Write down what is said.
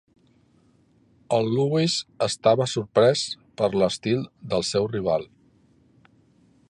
El Louis estava sorprès per l'estil del seu rival.